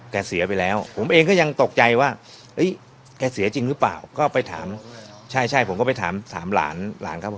แกเสียไปแล้วผมเองก็ยังตกใจว่าแกเสียจริงหรือเปล่า